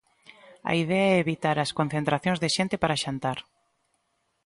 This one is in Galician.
A idea é evitar as concentracións de xente para xantar.